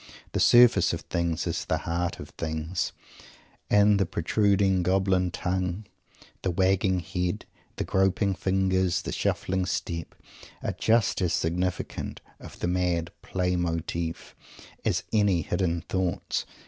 The surface of things is the heart of things; and the protruded goblin tongue, the wagged head, the groping fingers, the shuffling step, are just as significant of the mad play motif as any hidden thoughts.